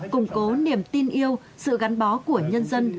củng cố niềm tin yêu sự gắn bó của nhân dân